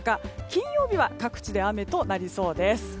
金曜日は各地で雨となりそうです。